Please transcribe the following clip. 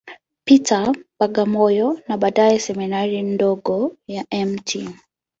Peter, Bagamoyo, na baadaye Seminari ndogo ya Mt.